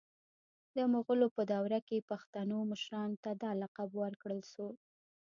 د مغولو په دور کي پښتنو مشرانو ته دا لقب ورکړل سو